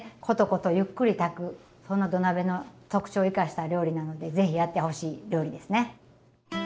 コトコトゆっくり炊くそんな土鍋の特徴を生かした料理なのでぜひやってほしい料理ですね。